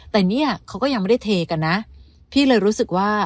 แต่เนี่ยเขาก็ยังไม่ได้เทกันนะพี่เลยรู้สึกว่า